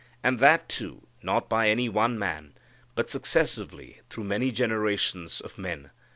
And that, too, not by any one man, but successively through many generations of men.